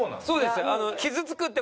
そうです。